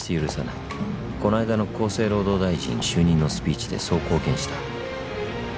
この間の厚生労働大臣就任のスピーチでそう公言した。